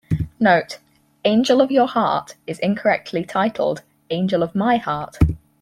Note: "Angel of Your Heart" is incorrectly titled "Angel of My Heart".